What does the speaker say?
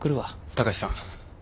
貴司さん。